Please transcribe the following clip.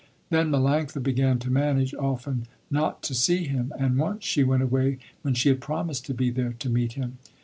Then Melanctha began to manage often not to see him, and once she went away when she had promised to be there to meet him.